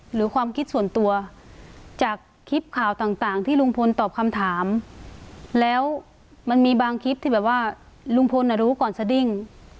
หรือความคิดส่วนตัวจากคลิปข่าวต่างที่ลุงพลตอบคำถามแล้วมันมีบางคลิปที่แบบว่าลุงพลรู้ก่อนสดิ้ง